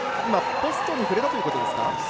ポストに触れたということですか。